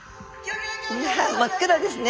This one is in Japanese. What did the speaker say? いや真っ暗ですね